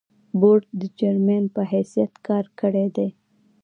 بورډ د چېرمين پۀ حېثيت کار کړے دے ۔